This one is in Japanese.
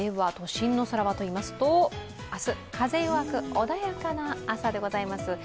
では都心の空はといいますと明日、風弱く穏やかな朝でございます。